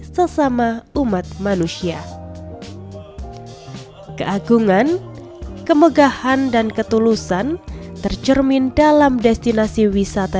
sesama umat manusia keagungan kemegahan dan ketulusan tercermin dalam destinasi wisata